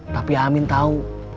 tapi amin tau